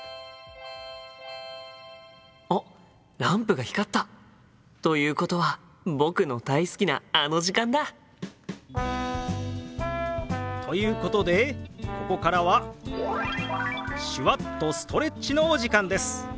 心の声あっランプが光った！ということは僕の大好きなあの時間だ。ということでここからは手話っとストレッチのお時間です！